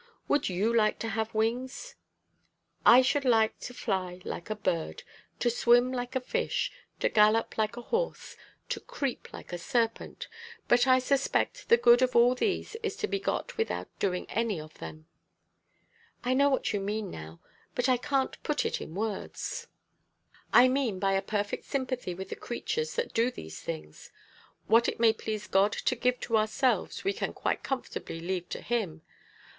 Would you like to have wings?" "I should like to fly like a bird, to swim like a fish, to gallop like a horse, to creep like a serpent, but I suspect the good of all these is to be got without doing any of them." "I know what you mean now, but I can't put it in words." "I mean by a perfect sympathy with the creatures that do these things: what it may please God to give to ourselves, we can quite comfortably leave to him.